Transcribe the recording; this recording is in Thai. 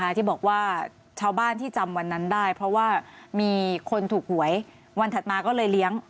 ที่บอกว่าชาวบ้านที่จำวันนั้นได้เพราะว่ามีคนถูกหวยวันถัดมาก็เลยเลี้ยง